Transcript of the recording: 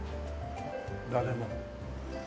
誰も。